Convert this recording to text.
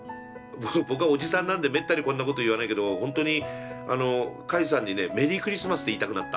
僕はおじさんなんでめったにこんなこと言わないけどほんとにカイさんにね「メリークリスマス」って言いたくなった。